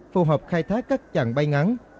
phù hợp khai thác các chặng bay ngắn